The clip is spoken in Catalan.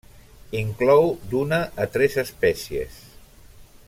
Inclou d'una a tres espècies.